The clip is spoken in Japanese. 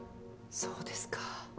そうですか。